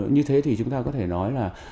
như thế thì chúng ta có thể nói là